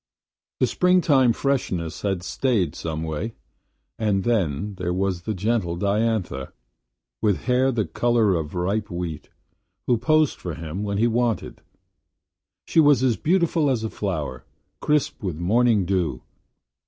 The spring time freshness had stayed, some way. And then there was the gentle Diantha, with hair the color of ripe wheat, who posed for him when he wanted. She was as beautiful as a flower, crisp with morning dew.